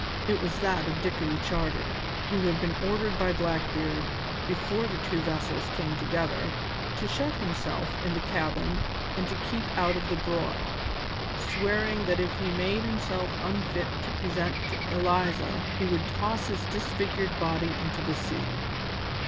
It was that of Dickory Charter, who had been ordered by Blackbeard, before the two vessels came together, to shut himself in the cabin and to keep out of the broil, swearing that if he made himself unfit to present to Eliza he would toss his disfigured body into the sea.